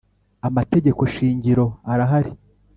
amategeko shingiro arahari.